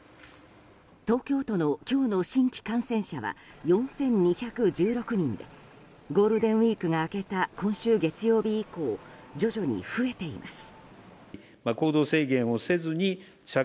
東京都の今日の新規感染者は４２１６人でゴールデンウィークが明けた今週月曜日以降徐々に増えています。